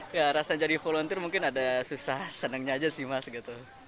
ya rasa jadi volunteer mungkin ada susah senangnya aja sih mas gitu